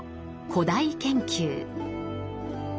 「古代研究」。